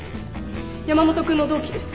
山本君の同期です